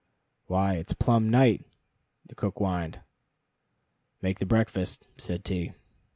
"Why, it's plumb night," the cook whined. "Make the breakfast," said T